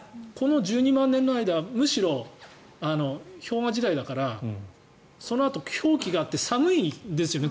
１２万年前ってむしろ氷河時代だからそのあと氷期があって寒いんですよね。